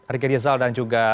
ricky rizal dan juga